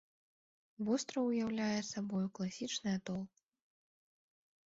Востраў уяўляе сабою класічны атол.